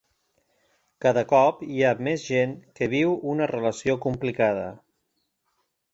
Cada cop hi ha més gent que viu una relació complicada.